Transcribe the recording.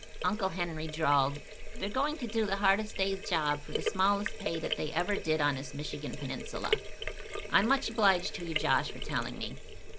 Uncle Henry drawled: "They're going to do the hardest day's job for the smallest pay that they ever did on this Michigan Peninsula. I'm much obliged to you, Josh, for telling me.